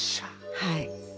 はい。